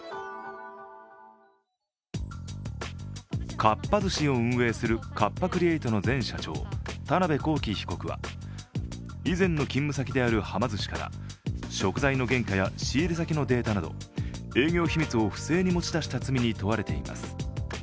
かっぱ寿司を運営するカッパ・クリエイトの前社長、田辺公己被告は、以前の勤務先であるはま寿司から食材の原価や仕入れ先のデータなど営業秘密を不正に持ち出した罪に問われています。